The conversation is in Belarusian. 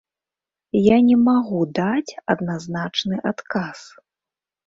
Я не магу даць адназначны адказ.